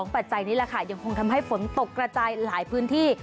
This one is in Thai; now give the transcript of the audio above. ปัจจัยนี้แหละค่ะยังคงทำให้ฝนตกกระจายหลายพื้นที่